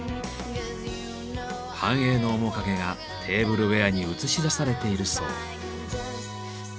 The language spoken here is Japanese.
繁栄の面影がテーブルウエアに映し出されているそう。